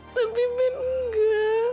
tapi ben tidak